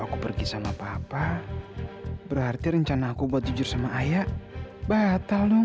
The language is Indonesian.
aku pergi sama papa berarti rencana aku buat jujur sama ayah batal dong